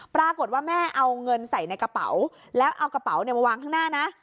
ปรากฏว่าแม่เอาเงินใส่ในกระเป๋าแล้วเอากระเป๋ามาวางข้างหน้านะ